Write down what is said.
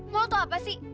lo tuh apa sih